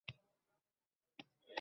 Ammo... biz ko‘ryapmizmi?